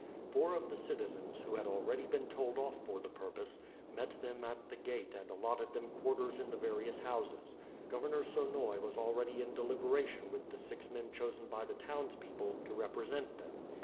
Four of the citizens, who had already been told off for the purpose, met them at the gate and allotted them quarters in the various houses. Governor Sonoy was already in deliberation with the six men chosen by the townspeople to represent them.